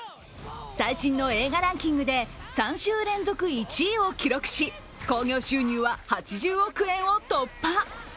最新の映画ランキングで３週連続１位を記録し興行収入は８０億円を突破。